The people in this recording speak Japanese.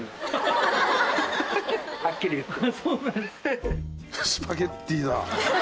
はっきり言って。